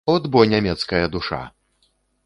От бо нямецкая душа!